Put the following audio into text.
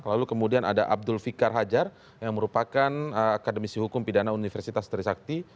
lalu kemudian ada abdul fikar hajar yang merupakan akademisi hukum pidana universitas trisakti